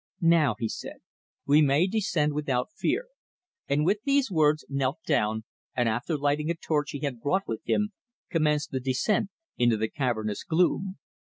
"Now," he said, "we may descend without fear," and with these words knelt down, and after lighting a torch he had brought with him, commenced the descent into the cavernous gloom.